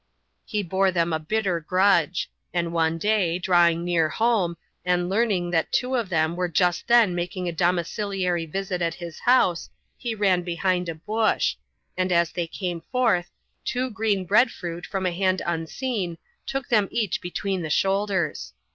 He bore them a bitter grudge ; and one day, drawing near home, and learning that two of them were just then making a domiciliary visit at his house, he ran behind a bush ; and as they came forth, two green bread fruit from a hand unseen took them each between the shoulders.